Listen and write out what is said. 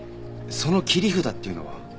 その切り札っていうのは？